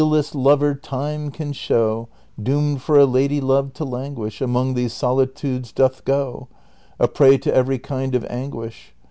The lealest lover time can show, Doomed for a lady love to languish^ Among these solitudes doth go, A prey to every kind of anguish.